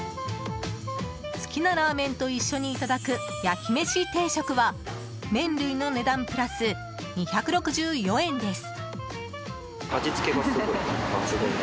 好きなラーメンと一緒にいただく焼きめし定食は麺類の値段プラス２６４円です。